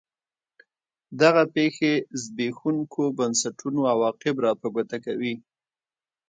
دغه پېښې زبېښونکو بنسټونو عواقب را په ګوته کوي.